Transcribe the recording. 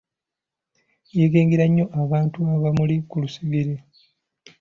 Yeekengera nnyo abantu abaamuli ku lusegere.